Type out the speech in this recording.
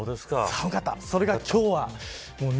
それが今日は２２